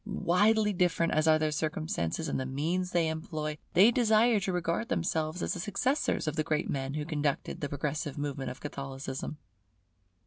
Widely different as are their circumstances and the means they employ, they desire to regard themselves as the successors of the great men who conducted the progressive movement of Catholicism.